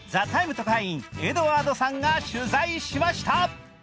特派員エドワードさんが取材しました。